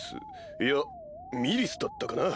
いやミリスだったかな？